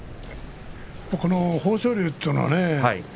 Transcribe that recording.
この豊昇龍というのはね